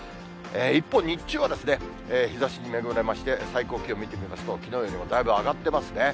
一方、日中は日ざしに恵まれまして、最高気温見てみますと、きのうよりもだいぶ上がってますね。